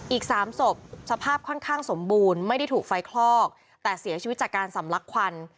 อีกสามศพสภาพค่อนข้างสมบูรณ์ไม่ได้ถูกไฟคลอกแต่เสียชีวิตจากการสำลักควัน